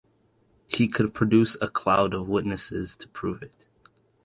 He could produce a cloud of witnesses to prove it.